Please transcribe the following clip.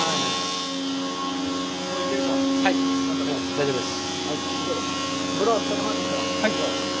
大丈夫です。